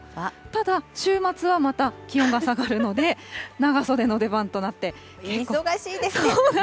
ただ、週末はまた気温が下がるので、長袖の出番となって。